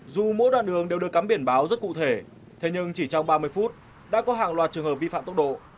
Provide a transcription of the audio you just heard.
dù mỗi đoạn đường đều được cắm biển báo rất cụ thể thế nhưng chỉ trong ba mươi phút đã có hàng loạt trường hợp vi phạm tốc độ